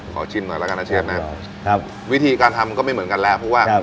ชิมหน่อยแล้วกันนะเชฟนะครับวิธีการทำก็ไม่เหมือนกันแล้วเพราะว่า